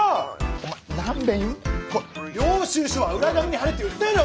お前何べんこれ領収書は裏紙に貼れって言ったよな